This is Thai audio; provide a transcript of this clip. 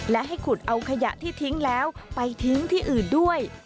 และให้ขุดเอาขยะที่ทิ้งแล้วไปทิ้งที่อื่นด้วย